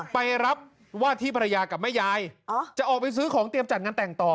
ไปรับว่าที่ภรรยากับแม่ยายจะออกไปซื้อของเตรียมจัดงานแต่งต่อ